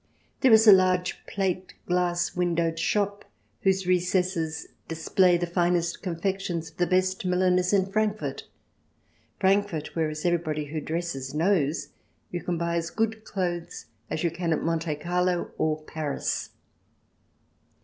There is a large plate glass windowed shop, whose recesses display the finest confections of the best milliners in Frankfurt — Frankfurt where, as everybody who dresses knows, you can buy as good clothes as you can at Monte Carlo or Paris.